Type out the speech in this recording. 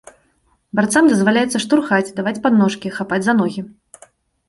Барцам дазваляецца штурхаць, даваць падножкі, хапаць за ногі.